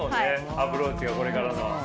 アプローチがこれからの。